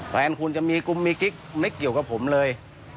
แฟนคุณจะมีกุมมีกิ๊กไม่เกี่ยวกับผมเลย